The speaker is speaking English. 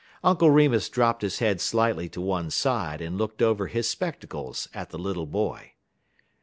Uncle Remus dropped his head slightly to one side, and looked over his spectacles at the little boy.